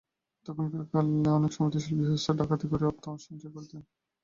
তখনকার কালে অনেক সমৃদ্ধিশালী গৃহস্থও ডাকাতি করিয়া অর্থ সঞ্চয় করিতেন।